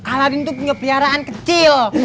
aladin tuh punya piaraan kecil